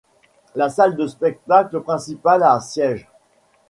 La salle de spectacle principale a sièges.